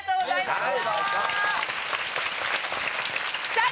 さあ